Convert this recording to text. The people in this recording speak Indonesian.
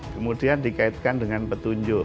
kemudian dikaitkan dengan petunjuk